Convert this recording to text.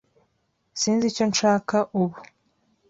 Sinzi icyo nshaka ubu.